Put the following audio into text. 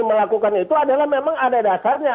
melakukan itu adalah memang ada dasarnya